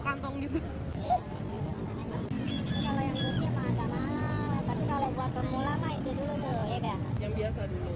yang ada yang anak anak ada